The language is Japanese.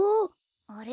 あれ？